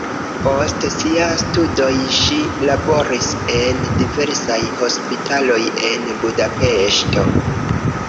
Post siaj studoj ŝi laboris en diversaj hospitaloj en Budapeŝto.